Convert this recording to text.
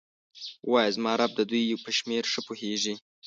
ووایه زما رب د دوی په شمیر ښه پوهیږي.